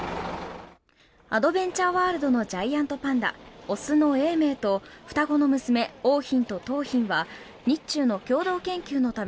アドベンチャーワールドのジャイアントパンダ雄の永明と双子の娘、桜浜と桃浜は日中の共同研究のため